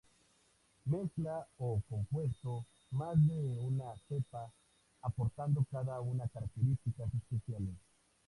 Mezcla o compuesto: más de una cepa, aportando cada una características especiales.